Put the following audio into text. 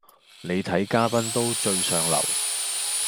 你睇嘉賓都最上流